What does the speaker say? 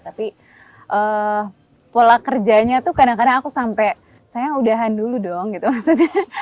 tapi pola kerjanya tuh kadang kadang aku sampai saya udahan dulu dong gitu maksudnya